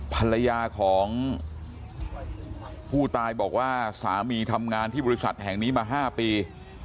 ภรรยาของผู้ตายบอกว่าสามีทำงานที่บริษัทแห่งนี้มา๕ปี